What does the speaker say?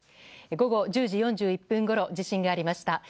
午後１０時４１分ごろ地震がありました。